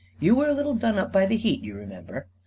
" You were a little done up by the heat, you remember.